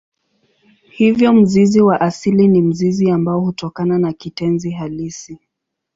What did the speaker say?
Hivyo mzizi wa asili ni mzizi ambao hutokana na kitenzi halisi.